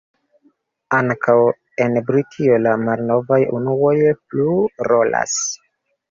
Ankaŭ en Britio la malnovaj unuoj plu rolas.